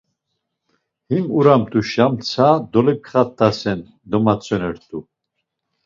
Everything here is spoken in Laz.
Himu uramt̆aşa mtsa dolipaxt̆asen domatzonert̆u.